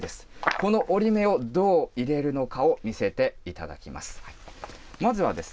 この折り目をどう入れるのかを見せていただきます。